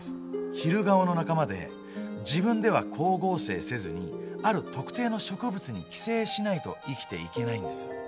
ヒルガオの仲間で自分では光合成せずにある特定の植物に寄生しないと生きていけないんです。